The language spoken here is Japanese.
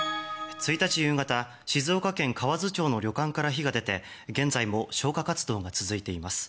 １日夕方静岡県河津町の旅館から火が出て現在も消火活動が続いています。